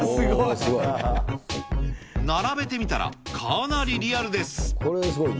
並べてみたら、かなりリアルです。